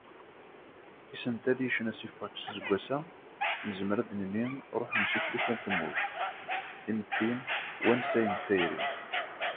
Isental i yecna Sifaks aseggas-a, nezmer ad d-nini ruḥen seg tlufa n tmurt, timetti, wansayen d tayri.